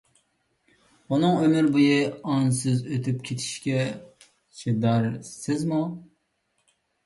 ئۇنىڭ ئۆمۈر بويى ئانىسىز ئۆتۈپ كېتىشىگە چىدارسىزمۇ؟